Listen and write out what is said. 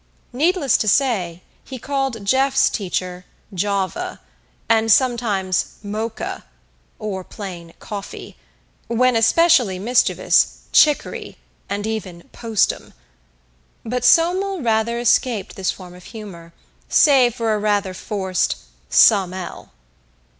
Needless to say, he called Jeff's teacher "Java," and sometimes "Mocha," or plain "Coffee"; when specially mischievous, "Chicory," and even "Postum." But Somel rather escaped this form of humor, save for a rather forced "Some 'ell."